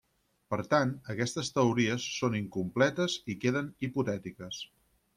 Per tant, aquestes teories són incompletes i queden hipotètiques.